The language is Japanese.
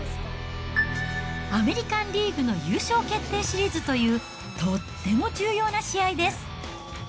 アメリカン・リーグの優勝決定シリーズというとっても重要な試合です。